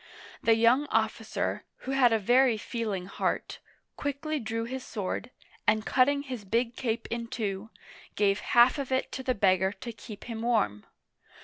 The young officer, who had a very feeling heart, quickly drew his sword, and cutting his big cape in two, gave half of it to the beggar to keep him warm.